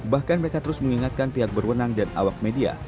bahkan mereka terus mengingatkan pihak berwenang dan awak media